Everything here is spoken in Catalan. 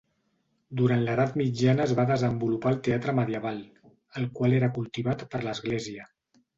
Durant l’Edat Mitjana es va desenvolupar el teatre medieval, el qual era cultivat per l’església.